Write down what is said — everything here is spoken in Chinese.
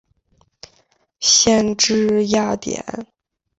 县治雅典。